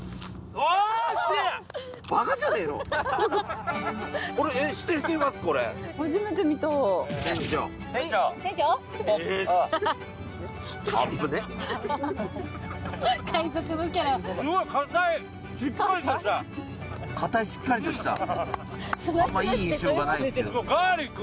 あんまいい印象がないですけど。